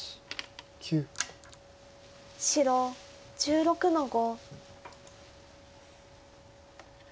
白１６の五。